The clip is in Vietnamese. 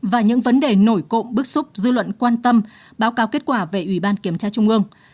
và những vấn đề nổi cộng bức xúc dư luận quan tâm báo cáo kết quả về ủy ban kiểm tra trung ương